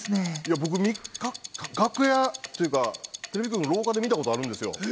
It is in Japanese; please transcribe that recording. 僕、楽屋というか、テレビ局の廊下で見たことあるんですよ。